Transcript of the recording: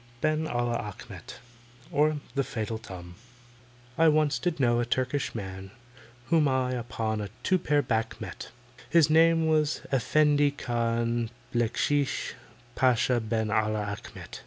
BEN ALLAH ACHMET; OR, THE FATAL TUM I ONCE did know a Turkish man Whom I upon a two pair back met, His name it was EFFENDI KHAN BACKSHEESH PASHA BEN ALLAH ACHMET.